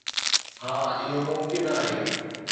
ها اهو ممڪن آهي.